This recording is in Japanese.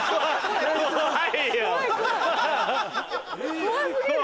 怖過ぎる。